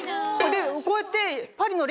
こうやって。